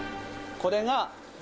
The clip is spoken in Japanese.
これが。